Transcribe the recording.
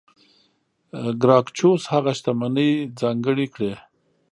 ګراکچوس هغه شتمنۍ ځانګړې کړې.